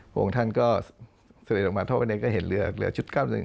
พวกท่านก็เสด็จลงมาท่อไปแล้วก็เห็นเรือชุด๙๑